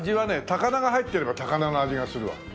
高菜が入ってれば高菜の味がするわ。